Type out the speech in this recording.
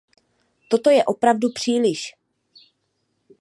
Toto je opravdu příliš.